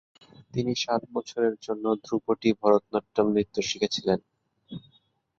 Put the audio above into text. তিনি সাত বছরের জন্য ধ্রুপদী ভরতনাট্যম নৃত্য শিখেছিলেন।